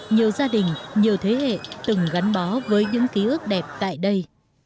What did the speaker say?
nhiều gia đình nhiều thế hệ từng gắn bó với những ký ức đẹp tại đây